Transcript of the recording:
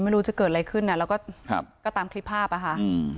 ไม่รู้จะเกิดอะไรขึ้นนะแล้วก็ตามคลิปภาพค่ะ